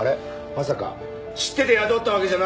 まさか知ってて雇ったわけじゃないですよね？